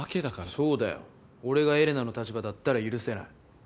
そうだよ俺がエレナの立場だったら許せない。